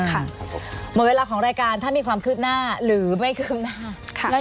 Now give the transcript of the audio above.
เหลือเวลาของรายการท่านมีความคลิบหน้าหรือไม่คลิบหน้า